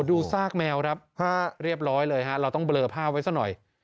ดูซากแมวครับเรียบร้อยเลยฮะเราต้องเบลอภาพไว้ซะหน่อย